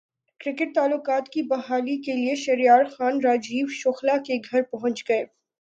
cricket تعلقات کی بحالی کیلئے شہریار خان راجیو شکلا کے گھرپہنچ گئے